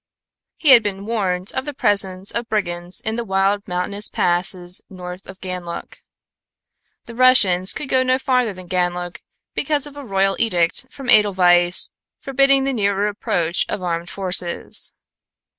He had been warned of the presence of brigands in the wild mountainous passes north of Ganlook. The Russians could go no farther than Ganlook because of a royal edict from Edelweiss forbidding the nearer approach of armed forces.